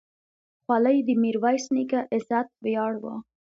خولۍ د میرویس نیکه عزت ویاړ و.